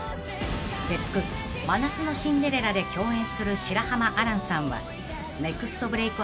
［月９『真夏のシンデレラ』で共演する白濱亜嵐さんはネクストブレイク